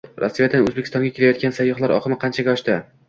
Rossiyadan O‘zbekistonga kelayotgan sayyohlar oqimi qanchaga oshdi?